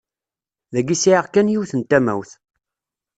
Dagi sɛiɣ kan yiwet n tamawt.